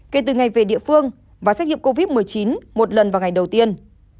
kể từ ngày về địa phương và xét nghiệm covid một mươi chín một lần vào ngày đầu tiên